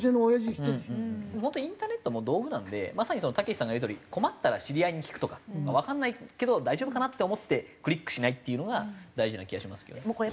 インターネットも道具なのでまさにたけしさんが言うとおり困ったら知り合いに聞くとかわかんないけど大丈夫かなって思ってクリックしないっていうのが大事な気がしますけども。